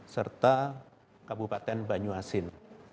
serta kabupaten banyuasin